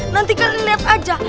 nanti kalian lihat aja